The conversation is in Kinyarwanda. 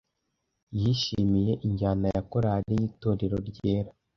Yishimiye injyana ya korari yitorero ryera ,